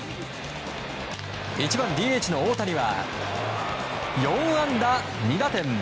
１番ＤＨの大谷は４安打２打点。